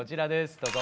どうぞ。